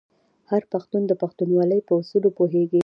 هر پښتون د پښتونولۍ په اصولو پوهیږي.